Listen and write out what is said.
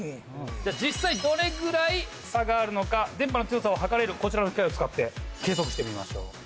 じゃあ実際どれくらい差があるのか電波の強さを測れるこちらの機械を使って計測してみましょう。